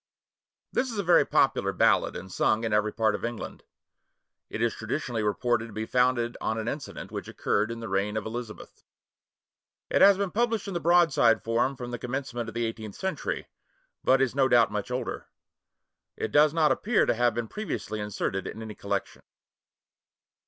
[THIS is a very popular ballad, and sung in every part of England. It is traditionally reported to be founded on an incident which occurred in the reign of Elizabeth. It has been published in the broadside form from the commencement of the eighteenth century, but is no doubt much older. It does not appear to have been previously inserted in any collection.